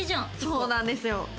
そうなんですよ。